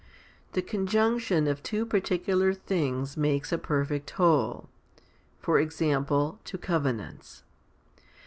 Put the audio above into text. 6. The conjunction of two particular things makes a perfect whole for example, two covenants.